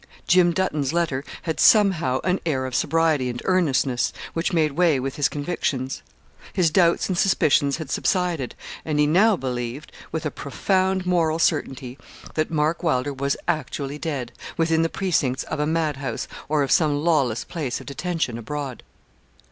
Jim Dutton's letter had somehow an air of sobriety and earnestness, which made way with his convictions. His doubts and suspicions had subsided, and he now believed, with a profound moral certainty, that Mark Wylder was actually dead, within the precincts of a mad house or of some lawless place of detention abroad.